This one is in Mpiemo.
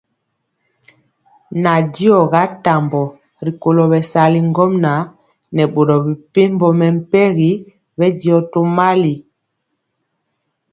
Nandiɔ ga tambɔ rikolo bɛsali ŋgomnaŋ nɛ boro mepempɔ mɛmpegi bɛndiɔ tomali.